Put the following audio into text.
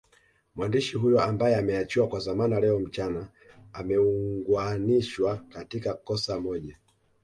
Mwandishi huyo ambaye ameachiwa kwa dhamana leo mchana ameungwanishwa katika kosa moj